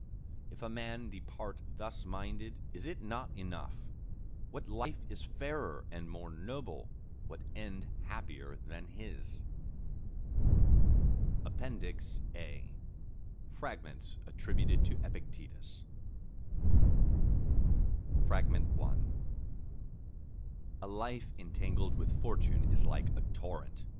—If a man depart thus minded, is it not enough? What life is fairer and more noble, what end happier than his? (APPENDIX A) Fragments Attributed to Epictetus I A life entangled with Fortune is like a torrent.